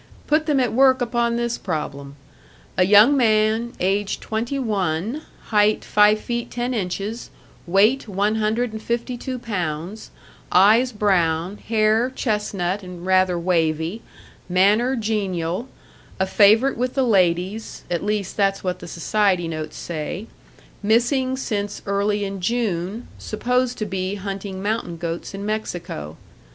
Put them at work upon this problem. A young man, age twenty one, height five feet ten inches, weight one hundred and fifty two pounds, eyes brown, hair chestnut and rather wavy, manner genial, a favourite with the ladies at least that's what the society notes say missing since early in June, supposed to be hunting mountain goats in Mexico.